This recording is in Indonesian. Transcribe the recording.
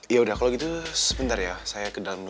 yaudah kalau gitu sebentar ya saya ke dalam dulu